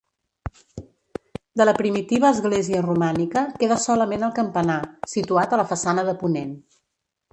De la primitiva església romànica queda solament el campanar, situat a la façana de ponent.